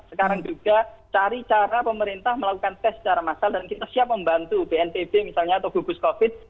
sekarang juga cari cara pemerintah melakukan tes secara massal dan kita siap membantu bnpb misalnya atau gugus covid